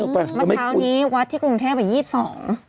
เมื่อเช้านี้วัดที่กรุงแทนประมาณ๒๒